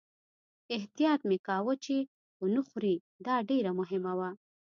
احتیاط مې کاوه چې و نه ښوري، دا ډېره مهمه وه.